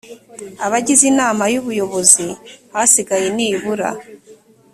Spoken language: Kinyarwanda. abagize inama y ubuyobozi hasigaye nibura